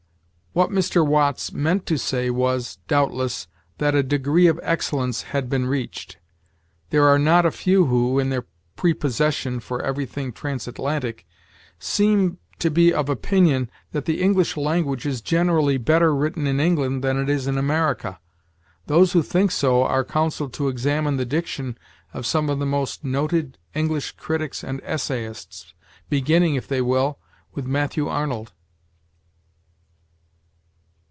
What Mr. Watts meant to say was, doubtless, that a degree of excellence had been reached. There are not a few who, in their prepossession for everything transatlantic, seem to be of opinion that the English language is generally better written in England than it is in America. Those who think so are counseled to examine the diction of some of the most noted English critics and essayists, beginning, if they will, with Matthew Arnold.